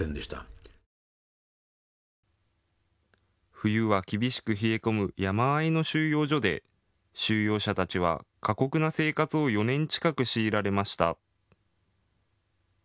冬は厳しく冷え込む山あいの収容所で収容者たちは過酷な生活を４年近く強いられました。